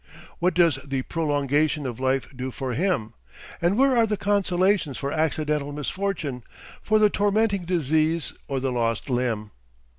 What does the prolongation of life do for him? And where are the consolations for accidental misfortune, for the tormenting disease or the lost limb?)